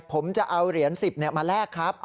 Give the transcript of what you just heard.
ผมจะเอาเหรียญ๑๐มาแลกครับ